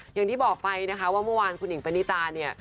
อย่างที่บอกไปนะคะว่าเมื่อวานคุณหญิงปณิตาเนี่ย